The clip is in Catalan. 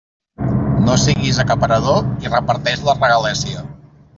No siguis acaparador i reparteix la regalèssia.